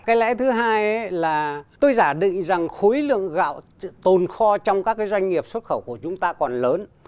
cái lẽ thứ hai là tôi giả định rằng khối lượng gạo tồn kho trong các doanh nghiệp xuất khẩu của chúng ta còn lớn